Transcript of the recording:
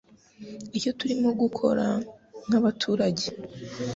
icyo turimo gukora nk'abaturage